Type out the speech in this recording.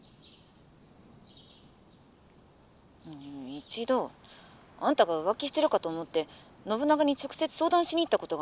一度あんたが浮気してるかと思って信長に直接相談しに行ったことがあるの」。